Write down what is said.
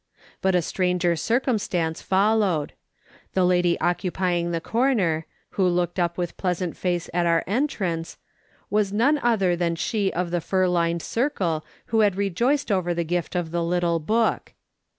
But a stranger circumstance followed. The lady occupying the corner, who looked up wdth pleasant face at our entrance, was none other than she of the fur lined circle, who had rejoiced over the gift of the little book.